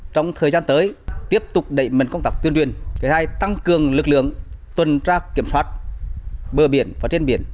trong thời gian tới tiếp tục đẩy mình công tác tuyên truyền tăng cường lực lượng tuần tra kiểm soát bờ biển và trên biển